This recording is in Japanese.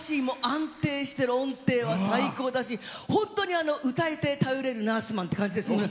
安定して音程も最高だし本当に歌って頼れるナースマンって感じですね。